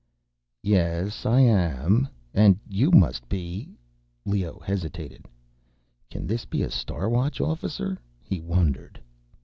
"Yes, I am. And you must be—" Leoh hesitated. Can this be a Star Watch officer? he wondered.